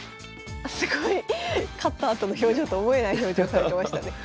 すごい勝ったあとの表情と思えない表情されてましたね。